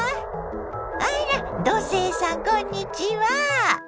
あら土星さんこんにちは。